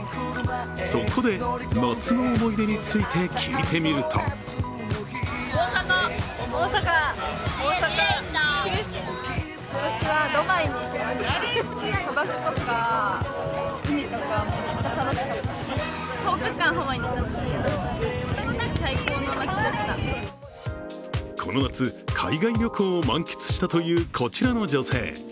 そこで、夏の思い出について聞いてみるとこの夏、海外旅行を満喫したというこちらの女性。